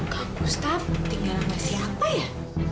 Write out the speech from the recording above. kang ustaz tinggal sama siapa ya